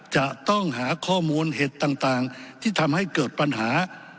จะต้องหาข้อมูลเห็ดต่างที่ทำให้เกิดปัญหา